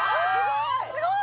すごい！